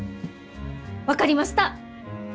分かりました！